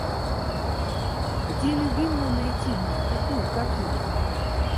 Где любимую найти мне, такую, как и я?